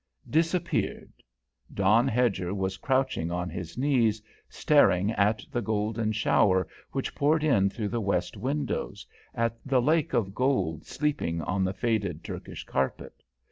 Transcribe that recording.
Disappeared Don Hedger was crouching on his knees, staring at the golden shower which poured in through the west windows, at the lake of gold sleeping on the faded Turkish carpet.